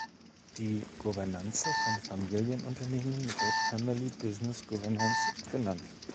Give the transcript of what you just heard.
Die Governance von Familienunternehmen wird Family Business Governance genannt.